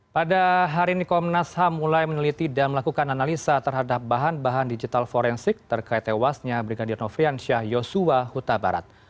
pada hari ini komnas ham mulai meneliti dan melakukan analisa terhadap bahan bahan digital forensik terkait tewasnya brigadir nofrian syah yosua huta barat